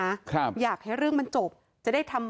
มันก็เลยกลายเป็นว่าเหมือนกับยกพวกมาตีกัน